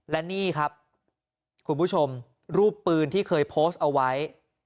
และนี่ครับคุณผู้ชมรูปปืนที่เคยโพสต์เอาไว้